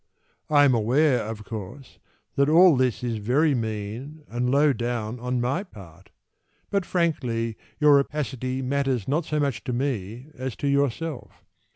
I am aware, of course, That all this is very mean And low down On my part, But frankly Your rapacity Matters not so much to me As to yourself.